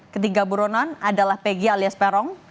ketiga buronan adalah peggy alias perong